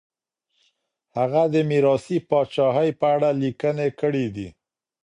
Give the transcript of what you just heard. هغه د ميراثي پاچاهۍ په اړه ليکنې کړي دي.